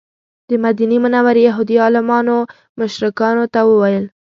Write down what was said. د مدینې منورې یهودي عالمانو مشرکانو ته وویل.